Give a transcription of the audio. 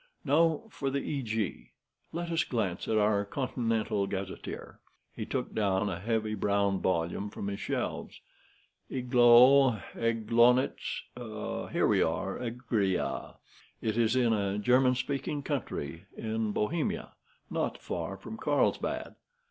Now for the Eg. Let us glance at our 'Continental Gazetteer." He took down a heavy brown volume from his shelves. "Eglow, Eglonitz—here we are, Egria. It is in a German speaking country—in Bohemia, not far from Carlsbad.